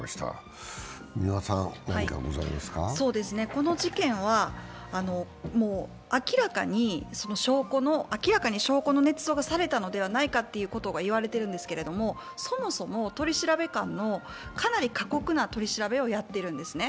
この事件は明らかに証拠のねつ造がされたのではないかということが言われているわけでけども、そもそも取調官のかなり過酷な取り調べをやっているんですね。